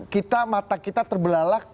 kita mata kita terbelalak